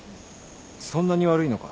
そんなに悪いのか？